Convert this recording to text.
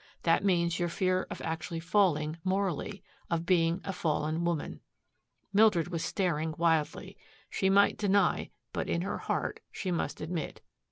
That means your fear of actually falling, morally, of being a fallen woman." Mildred was staring wildly. She might deny but in her heart she must admit.